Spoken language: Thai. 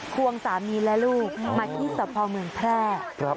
ควงสามีและลูกมาที่สะพอเมืองแพร่